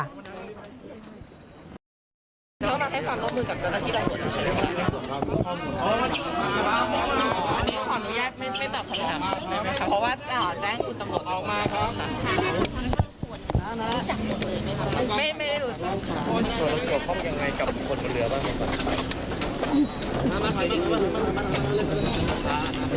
กับบุคคลบนเรือหรือเปล่า